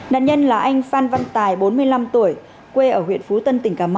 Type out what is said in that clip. nạn nhân là anh phan văn tài bốn mươi năm tuổi quê ở huyện phú tân tỉnh cà mau